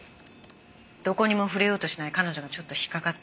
どこにも触れようとしない彼女がちょっと引っかかって